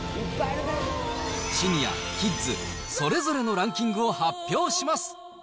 シニア、キッズ、それぞれのランキングを発表します。